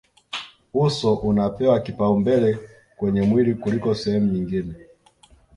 uso unapewa kipaumbele kwenye mwili kuliko sehemu nyingine